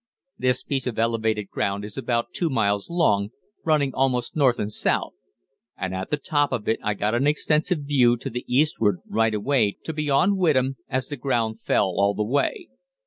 "This piece of elevated ground is about two miles long, running almost north and south, and at the top of it I got an extensive view to the eastward right away to beyond Witham, as the ground fell all the way.